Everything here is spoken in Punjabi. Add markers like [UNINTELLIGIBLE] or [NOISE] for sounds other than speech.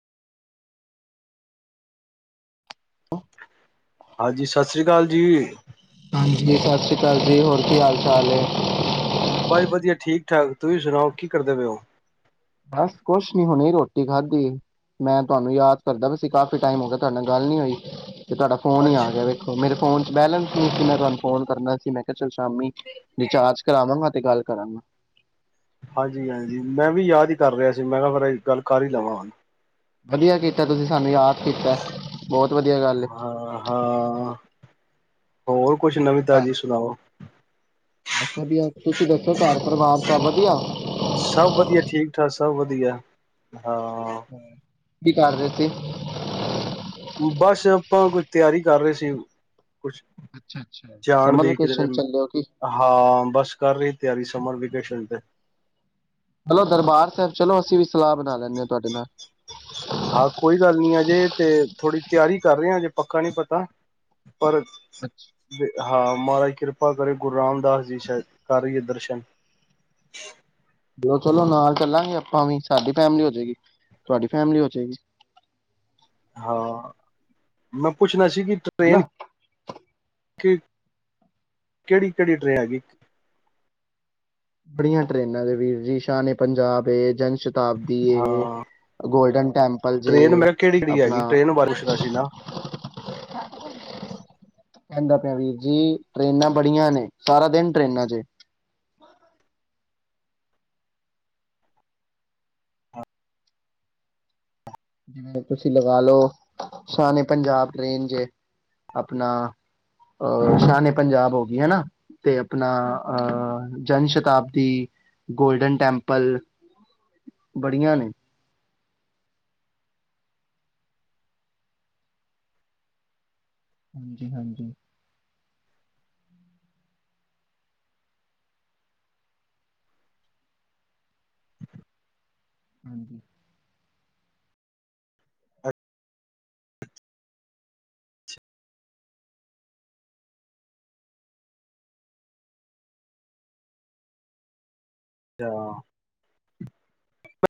ਹਾਂਜੀ ਸਤਿ ਸ੍ਰੀ ਅਕਾਲ ਜੀ ਹਾਂਜੀ ਸਤਿ ਸ੍ਰੀ ਅਕਾਲ ਜੀ ਹੋਰ ਕੀ ਹਾਲ ਚਾਲ ਹੈ ਬਾਈ ਵਧੀਆ ਠੀਕ ਠਾਕ ਤੁਸੀਂ ਸੁਣਾਓ ਕੀ ਕਰਦੇ ਪਏ ਹੋ ਬਸ ਕੁਛ ਨੀ ਹੁਣੇ, ਰੋਟੀ ਖਾਧੀ ਮੈਂ ਤੁਹਾਨੂੰ ਯਾਦ ਕਰਦਾ ਵੀ ਸੀ, ਕਾਫੀ ਟਾਈਮ ਹੋ ਗਿਆ ਤੁਹਾਡੇ ਨਾਲ ਗੱਲ ਨੀ ਹੋਈ। ਤੇ ਤੁਹਾਡਾ ਫੋਨ ਹੀ ਆ ਅੱਛਾ ਗਿਆ, ਵੇਖੋ ਮੇਰੇ ਫੋਨ ਚ ਬੈਲੈਂਸ ਨਹੀਂ ਸੀ ਮੈਂ ਤੁਹਾਨੂੰ ਫੋਨ ਕਰਨਾ ਸੀ ਮੈਂ। ਕਿਹਾ ਸ਼ਾਮੀ ਰਿਚਾਰਜ ਕਰਾਵਾਂਗਾ। ਤੇ ਗੱਲ ਕਰਾਂਗਾ। ਹਾਂਜੀ-ਹਾਂਜੀ, ਮੈਂ ਵੀ ਯਾਦ ਕਰ ਰਿਹਾ ਸੀ, ਮੈਂ ਕਿਹਾ ਫੇਰ ਗੱਲ ਕਰ ਹੀ ਲਵਾਂ ਹੂੰ। ਵਧੀਆ ਕੀਤਾ ਤੁਸੀਂ ਸਾਨੂੰ ਯਾਦ। ਠੀਕ ਹੈ ਬਹੁਤ ਵਧੀਆ ਗੱਲ ਐ। ਹਾਂ ਹਾਂ ਹੋਰ ਕੁਛ ਨਵੀਂ ਤਾਜ਼ੀ ਸੁਣਾਓ। ਵਧੀਆ ਤੁਸੀਂ ਦੱਸੋ ਘਰ ਪਰਿਵਾਰ ਸਭ ਵਧੀਆ। ਸਭ ਵਧੀਆ ਠੀਕ ਠਾਕ ਸਭ ਵਧੀਆ। ਅੱਛਾ ਜੀ, ਹਾਂ ਕੀ ਕਰ ਰਹੇ ਸੀ। ਉਹ ਬਸ ਆਪਾਂ ਕੁਛ ਤਿਆਰੀ ਕਰ ਰਹੇ ਸੀ। ਕੁਛ ਅੱਛਾ ਅੱਛਾ ਜਾਣ ਸਮਰ ਦੀ ਕਿਧਰੇ ਵੇਕੇਸ਼ਨ ਨੂੰ, ਚੱਲੇ ਹੋ ਕੀ ਹਾਂ ਬਸ ਕਰ ਰਹੀ ਤਿਆਰੀ ਸਮਰ ਦੀ। ਬ ਚਲਦੇ ਚਲੋ, ਦਰਬਾਰ ਸਾਹਿਬ ਚਲੋ ਅਸੀਂ ਵੀ ਸਲਾਹ ਬਣਾ ਲੈਂਨੇ ਹਾਂ ਤੁਹਾਡੇ ਨਾਲ ਹਾਂ ਕੋਈ ਗੱਲ ਨੀ ਅਜੇ ਤੇ ਥੋੜ੍ਹੀ ਤਿਆਰੀ ਕਰ ਰਹੇ ਹਾ, ਅਜੇ ਪੱਕਾ ਨੀ ਪਤਾ। [UNINTELLIGIBLE] ਪਰ ਅੱਛਾ। ਹਾਂ, ਮਹਾਰਾਜ ਕਿਰਪਾ ਕਰੇ ਗੁਰੂ ਰਾਮਦਾਸ ਜੀ ਕਰਹੀਏ ਦਰਸ਼ਨ ਜੋ ਚਲੋ ਹਾਂ ਨਾਲ ਚੱਲਾਂਗੇ। ਭਾਵੇਂ ਸਾਡੀ ਫੈਮਿਲੀ ਹੋ ਜਾਏਗੀ, ਤੁਹਾਡੀ ਫੈਮਿਲੀ ਹੋ ਜਾਏਗੀ। ਹਾਂ ਮੈਂ ਪੁੱਛਣਾ ਚ ਕਿ ਟ੍ਰਰੇਨ ਹਨਾ। ਕਿ ਕਿਹੜੀ-ਕਿਹੜੀ ਟਰੇ ਹੈਗੀ। ਬੜੀਆਂ ਟਰੇਨਾਂ ਦੇ ਵੀਰ ਜੀ ਸ਼ਾਨ ਏ ਪੰਜਾਬ ਏ ਜ ਸ਼ਤਾਬਦੀ ਏ ਹਾਂ ਗੋਲਡਨ ਟੈਂਪਲ ਜੇ ਟ੍ਰੇਨ ਮੈਂ ਕਿਹੜੀ ਕਿਹੜੀ ਹੈਗੀ ਆਪਣਾ ਟ੍ਰੇਨ ਬਾਰੇ ਪੁੱਛਣਾ ਸੀ ਨਾ ਕਹਿੰਦਾ ਪਿਆ ਵੀਰ ਜੀ ਟਰੇਨਾਂ ਬੜੀਆਂ ਨੇ ਸਾਰਾ ਦਿਨ ਟ੍ਰਰੇਨਾਂ ਚ ਜਿਵੇਂ ਤੁਸੀਂ ਲਗਾ ਲਓ, ਸ਼ਾਨ ਪੰਜਾਬ ਟਰੇਨ ਜੇ ਆਪਣਾ ਅਹ ਸ਼ਾਹਾਨ ਪੰਜਾਬ ਹੋ ਗਈ ਹੈ ਨਾ, ਤੇ ਆਪਣਾ ਅਹ ਜਨ ਸ਼ਤਾਬਦੀ ਗੋਲਡਨ ਟੈਂਪਲ ਬੜੀਆਂ ਨੇ, ਹਾਂਜੀ-ਹਾਂਜੀ, [INAUDIBLE] ਹਾਂਜੀ, ਅੱਛਾ,